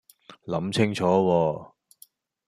諗清楚喎